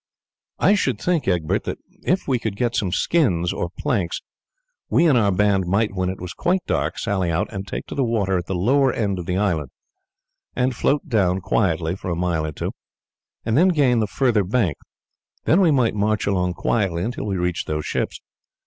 "I should think, Egbert, that if we could get some skins or planks we and our band might, when it is quite dark, sally out and take to the water at the lower end of the island and float down quietly for a mile or two, and then gain the further bank; then we might march along quietly until we reach those ships.